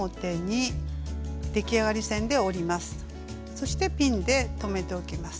そしてピンで留めておきます。